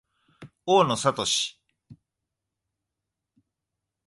大野智